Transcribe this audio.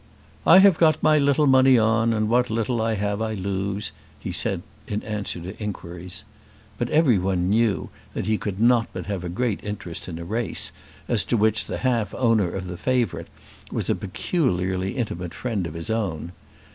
"I have got my little money on, and what little I have I lose," he said in answer to inquiries. But everyone knew that he could not but have a great interest in a race, as to which the half owner of the favourite was a peculiarly intimate friend of his own.